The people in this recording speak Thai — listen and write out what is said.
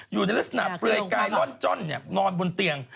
อยู่ในลักษณะเปลือยกายร่อนจ้อนนอนบนเตียง